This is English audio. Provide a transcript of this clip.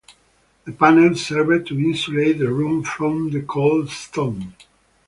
The panels served to insulate the room from the cold stone.